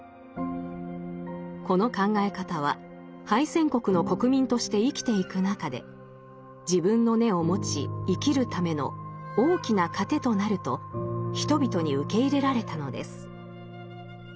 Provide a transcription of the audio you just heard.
この考え方は敗戦国の国民として生きていく中で自分の根を持ち生きるための大きな糧となると人々に受け入れられたのです。